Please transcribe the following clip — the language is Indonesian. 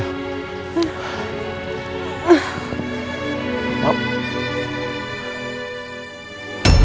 pak serba bantulah